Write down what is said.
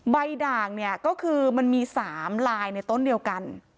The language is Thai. ด่างเนี่ยก็คือมันมี๓ลายในต้นเดียวกัน